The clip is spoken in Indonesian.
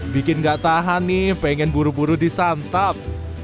bikin gak tahan nih pengen buru buru disantap